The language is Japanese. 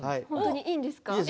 本当にいいんですか？